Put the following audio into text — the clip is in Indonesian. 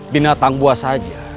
binatang buas saja